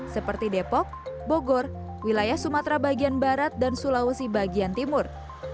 seperti depok bogor wilayah sumatera bagian barat dan sulawesi bagian timur